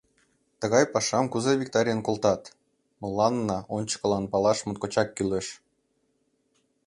— Тыгай пашам кузе виктарен колтат — мыланна ончыкылан палаш моткочак кӱлеш».